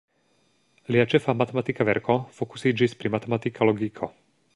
Lia ĉefa matematika verko fokusiĝis pri matematika logiko.